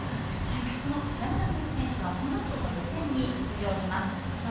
その山田美幸選手はこのあとの予選に出場します。